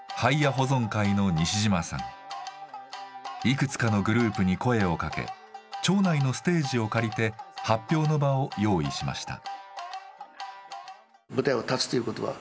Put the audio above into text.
いくつかのグループに声をかけ町内のステージを借りて発表の場を用意しました。